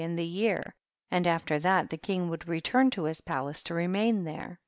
i the year, and after that the king would return to his palace to remain there.